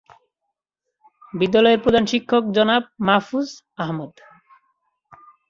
বিদ্যালয়ের প্রধান শিক্ষক জনাব মাহফুজ আহমদ।